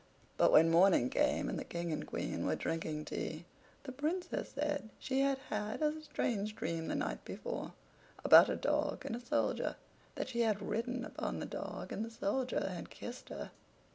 But when morning came, and the King and Queen were drinking tea, the Princess said she had had a strange dream the night before about a dog and a soldier—that she had ridden upon the dog, and the soldier had kissed her.